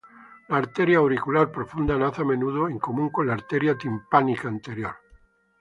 La "arteria auricular profunda" nace a menudo en común con la arteria timpánica anterior.